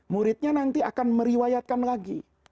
muridnya nanti akan meriwayatkan lagi